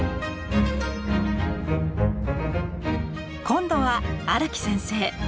今度は荒木先生！